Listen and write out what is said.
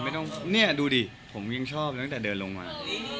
เนี่ยดูดิผมยังชอบตั้งแต่เดินลงมา